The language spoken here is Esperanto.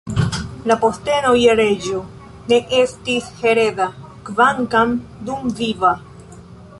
La posteno je reĝo ne estis hereda, kvankam dumviva.